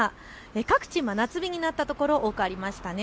各地、真夏日になった所、多くありましたね。